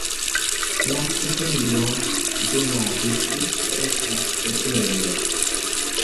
La tereno de la distrikto estas ebena.